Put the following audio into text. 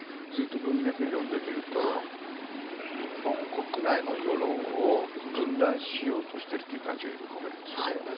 ずっと文脈を読んでみると日本国内の世論を分断しようとしている感じが読み込めるんですよね。